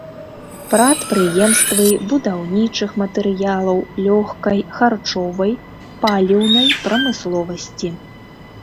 Прадпрыемствы будаўнічых матэрыялаў, лёгкай, харчовай, паліўнай прамысловасці.